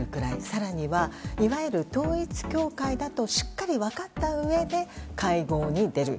更には、いわゆる統一教会だとしっかり分かったうえで会合に出る。